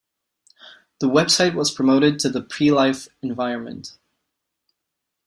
The website was promoted to the pre-live environment.